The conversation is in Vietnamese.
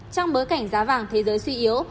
trong bối cảnh giá vàng thế giới suy yếu